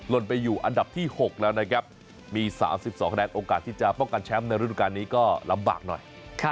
ลนไปอยู่อันดับที่๖แล้วนะครับมี๓๒คะแนนโอกาสที่จะป้องกันแชมป์ในฤดูการนี้ก็ลำบากหน่อย